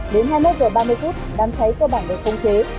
đến hai mươi một h ba mươi phút đám cháy cơ bản được không chế